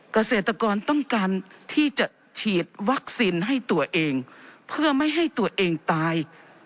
เกษตรกรต้องการที่จะฉีดวัคซีนให้ตัวเองเพื่อไม่ให้ตัวเองตาย